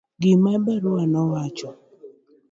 gima barua nowacho